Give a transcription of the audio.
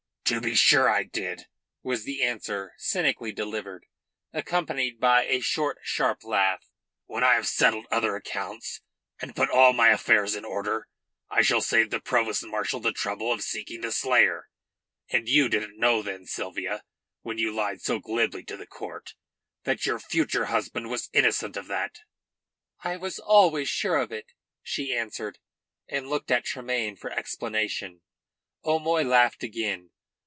"To be sure I did," was the answer, cynically delivered, accompanied by a short, sharp laugh. "When I have settled other accounts, and put all my affairs in order, I shall save the provost marshal the trouble of further seeking the slayer. And you didn't know then, Sylvia, when you lied so glibly to the court, that your future husband was innocent of that?" "I was always sure of it," she answered, and looked at Tremayne for explanation. O'Moy laughed again.